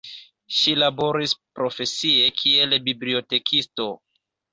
Ŝi laboris profesie kiel bibliotekisto.